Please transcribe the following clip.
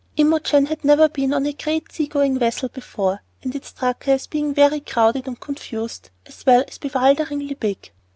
Imogen had never been on a great sea going vessel before, and it struck her as being very crowded and confused as well as bewilderingly big.